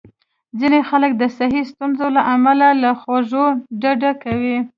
ځینې خلک د صحي ستونزو له امله له خوږو ډډه کوي.